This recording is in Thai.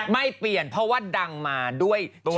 ไม่เปลี่ยนเพราะว่าดังมาด้วยตัว